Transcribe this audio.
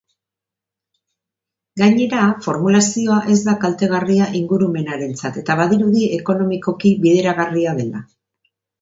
Gainera, formulazioa ez da kaltegarria ingurumenarentzat eta badirudi ekonomikoki bideragarria dela.